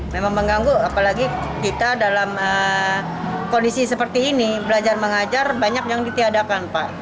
memang mengganggu apalagi kita dalam kondisi seperti ini belajar mengajar banyak yang ditiadakan pak